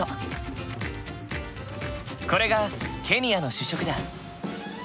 これがケニアの主食だ。